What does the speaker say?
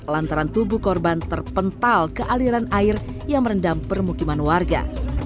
lantaran tubuh korban terpental ke aliran air yang merendam permukiman warga